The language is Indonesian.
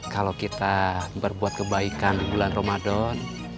kalau kita berbuat kebaikan di bulan ramadan